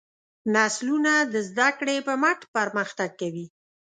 نسلونه د زدهکړې په مټ پرمختګ کوي.